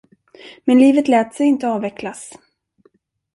Men livet lät sig inte avvecklas.